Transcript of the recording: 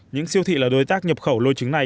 những siêu thị là đối tác nhập khẩu lô trứng này